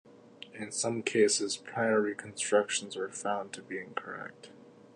In some cases, prior re-constructions were found to be incorrect.